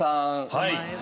はい。